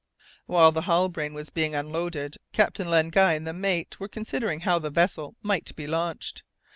While the Halbrane was being unloaded, Captain Len Guy and the mate were considering how the vessel might be launched.